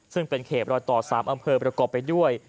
ซึ่งเป็นเขตรอยต่อ๓อำเภอประกอบไปด้วย